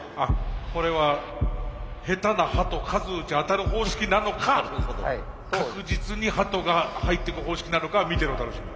これは下手な鳩数打ちゃ当たる方式なのか確実に鳩が入ってく方式なのかは見てのお楽しみ。